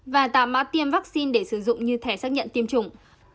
và tám mã tiêm vaccine để sử dụng như thẻ xác nhận tiêm chủng